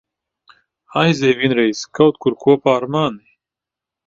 Aizej vienreiz kaut kur kopā ar mani.